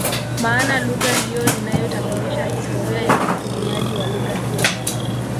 Maana lugha ndio inayotambulisha historia ya mtumiaji wa lugha hiyo